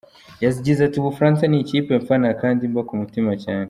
Yagize ati “U Bufaransa ni ikipe mfana kandi imba ku mutima cyane.